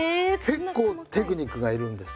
結構テクニックがいるんです。